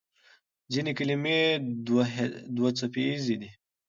ځینې کلمې دوهڅپیزې دي.